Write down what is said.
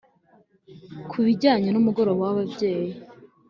ku bijyanye n’umugoroba w’ababyeyi,